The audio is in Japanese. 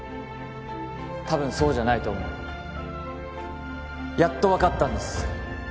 たぶんそうじゃないと思うやっと分かったんです